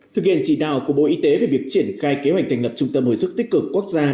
thực hiện chỉ đạo của bộ y tế về việc triển khai kế hoạch thành lập trung tâm hồi sức tích cực quốc gia